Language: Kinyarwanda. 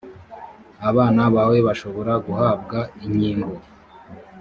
abana bawe bashobora guhabwa inkingo.